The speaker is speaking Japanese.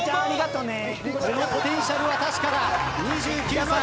ポテンシャルは確かだ、２９歳。